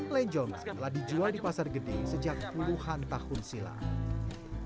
lenjong telah dijual di pasar gede sejak puluhan tahun silam